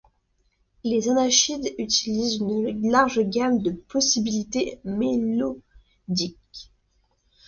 Les anasheeds utilisent une large gamme de possibilités mélodiques.